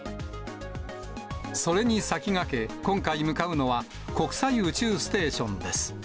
それに先駆け、今回向かうのは、国際宇宙ステーションです。